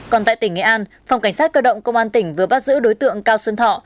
còn tại tỉnh nghệ an phòng cảnh sát cơ động công an tỉnh vừa bắt giữ đối tượng cao xuân thọ